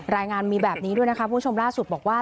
รายงานมีแบบนี้ด้วยนะคะผู้ชมล่าสุดบอกว่า